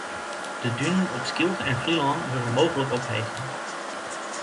De dunen op Skylge en Flylân wurde mooglik ophege.